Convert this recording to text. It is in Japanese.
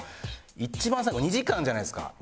一番最後２時間じゃないですか。